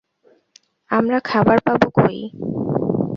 আমরা খাবার পাব কই?